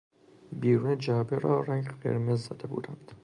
بیرون جعبه را رنگ قرمز زده بودند.